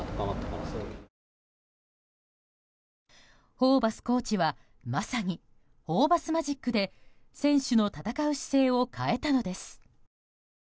ホーバスコーチはまさにホーバスマジックで選手の戦う姿勢を変えたのです。